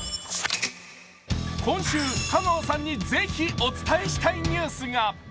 今週、香川さんにぜひお伝えしたいニュースが。